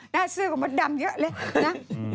น่าซื้อกว่ามดดำเยอะเลยนะ